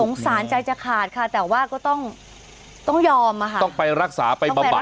สารใจจะขาดค่ะแต่ว่าก็ต้องต้องยอมอะค่ะต้องไปรักษาไปบำบัด